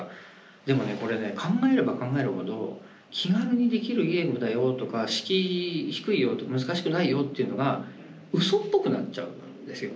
でもねこれね考えれば考えるほど「気軽にできるゲームだよ」とか「敷居低いよ」と「難しくないよ」っていうのがうそっぽくなっちゃうんですよ。